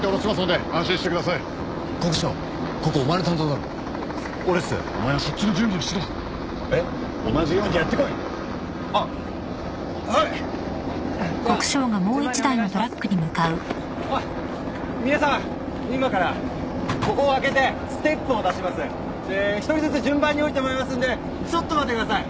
で１人ずつ順番に降りてもらいますんでちょっと待ってください。